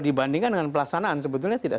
dibandingkan dengan pelaksanaan sebetulnya tidak